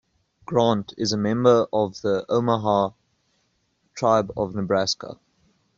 Grant is a member of the Omaha tribe of Nebraska.